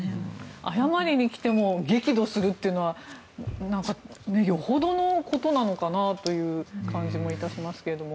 謝りに来ても激怒するというのはよほどのことなのかなという感じもいたしますけれども。